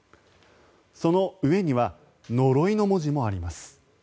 その上には「呪い」の文字もあります。